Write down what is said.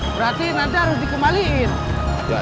berarti nanti harus dikembangkan